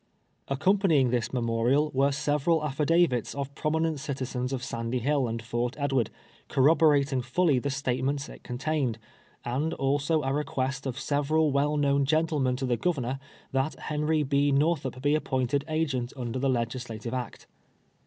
Accompanying this memorial were sever al affidavits of prominent citizens of Sandy Hill and Fort Edward, corroborating fully the statements it contained, and also a request of several well known gentlemen to the Governor, that Fleury B. jSTorthup be appointed agent under the legislative act.